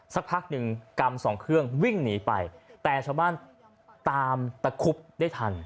สักพักหนึ่งกำสองเครื่องวิ่งหนีไปแต่ชาวบ้านตามตะคุบได้ทัน